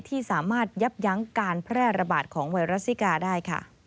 ที่สามารถยับยั้งการแพร่ระบาดของไวรัสซิกาได้ค่ะ